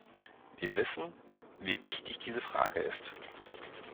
Wir wissen, wie wichtig diese Frage ist.